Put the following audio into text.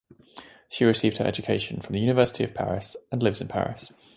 She received her education from the University of Paris and lives in Paris.